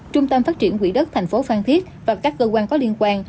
trung tâm phát triển quỹ đất thành phố phan thiết và các cơ quan có liên quan